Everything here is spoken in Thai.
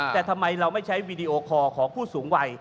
แต่ทำไมเราไม่ใช้วีดีโอคอร์ของผู้สูงวัย